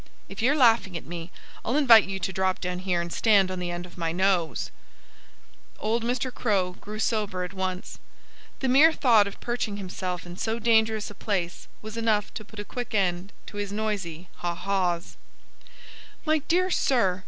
"If you're laughing at me, I'll invite you to drop down here and stand on the end of my nose." Old Mr. Crow grew sober at once. The mere thought of perching himself in so dangerous a place was enough to put a quick end to his noisy haw haws. "My dear sir!"